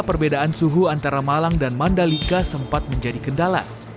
perbedaan suhu antara malang dan mandalika sempat menjadi kendala